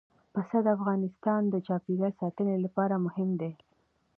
پسه د افغانستان د چاپیریال ساتنې لپاره مهم دي.